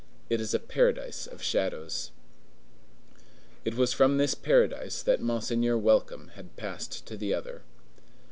It is a paradise of shadows. It was from this paradise that Monseigneur Welcome had passed to the other.